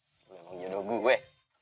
si emang jodoh gue